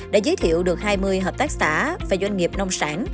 đã giới thiệu được hai mươi hợp tác xã và doanh nghiệp nông sản